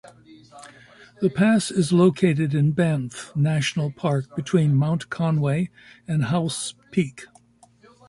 The pass is located in Banff National Park, between Mount Conway and Howse Peak.